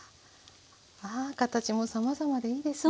形もさまざまでいいですね。